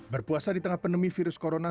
berpuasa di tengah pandemi virus corona